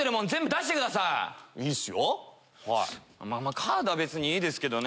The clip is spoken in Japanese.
カードは別にいいですけどね。